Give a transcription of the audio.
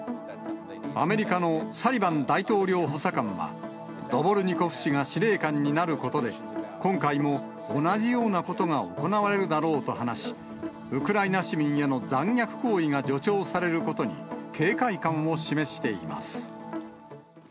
アメリカのサリバン大統領補佐官は、ドボルニコフ氏が司令官になることで、今回も同じようなことが行われるだろうと話し、ウクライナ市民への残虐行為が助長されることに、警戒感を示しています。